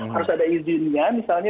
harus ada izinnya misalnya